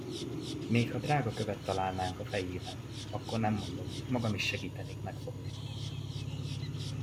Még ha drágakövet találnánk a fejében, akkor nem mondom, magam is segítenék megfogni.